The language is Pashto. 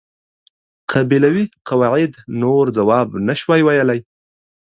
قبیلوي قواعد نور ځواب نشوای ویلای.